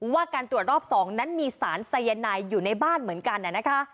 ว่าการตรวจรอบ๒นั้นมีสารสายนายอยู่ในบ้านเหมือนกันนะคะ